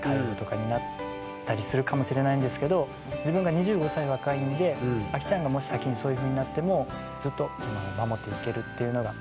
介護とかになったりするかもしれないんですけど自分が２５歳若いんでアキちゃんがもし先にそういうふうになってもずっと守っていけるっていうのが。